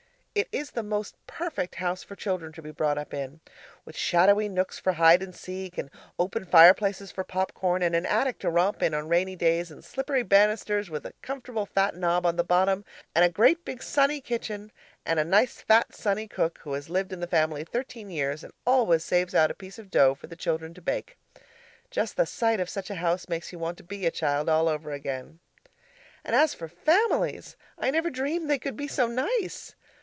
It is the most perfect house for children to be brought up in; with shadowy nooks for hide and seek, and open fire places for pop corn, and an attic to romp in on rainy days and slippery banisters with a comfortable flat knob at the bottom, and a great big sunny kitchen, and a nice, fat, sunny cook who has lived in the family thirteen years and always saves out a piece of dough for the children to bake. Just the sight of such a house makes you want to be a child all over again. And as for families! I never dreamed they could be so nice.